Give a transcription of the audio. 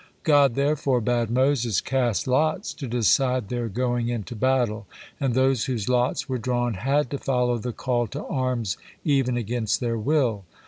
God therefore bade Moses cast lots to decide their going into battle, and those whose lots were drawn had to follow the call to arms even against their will.